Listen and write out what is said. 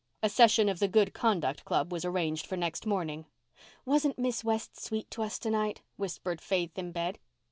A session of the Good Conduct Club was arranged for next morning. "Wasn't Miss West sweet to us to night?" whispered Faith in bed.